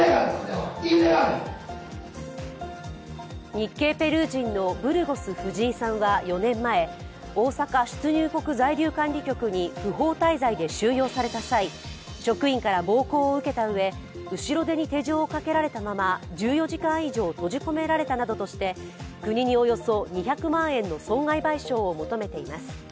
日系ペルー人のブルゴス・フジイさんは４年前、大阪出入国在留管理局に不法滞在で収容された際職員から暴行を受けたうえ後ろ手に手錠をかけられたまま１４時間以上、閉じ込められたとして国におよそ２００万円の損害賠償を求めています。